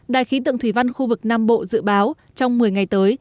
đài khí tượng thủy văn khu vực nam bộ dự báo trong một mươi ngày tới